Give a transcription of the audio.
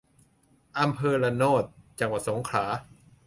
อำเภอระโนด จังหวัดสงขลา